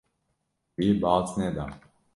Wî baz neda.